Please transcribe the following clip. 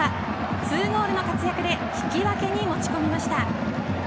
２ゴールの活躍で引き分けに持ち込みました。